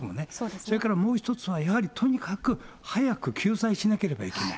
それからもう一つは、やはりとにかく早く救済しなければいけない。